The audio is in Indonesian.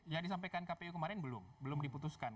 yang disampaikan kpu kemarin belum belum diputuskan